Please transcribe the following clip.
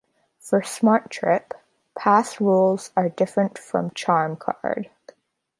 For SmarTrip, pass rules are different from CharmCard.